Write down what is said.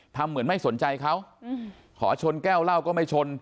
ทำเหมือนไม่สนใจเขาขอชนแก้วเหล้าก็ไม่ชน